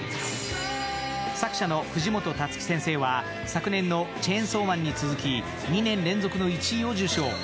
作者の藤本タツキ先生は昨年の「チェンソーマン」に続き２年連続の１位を受賞。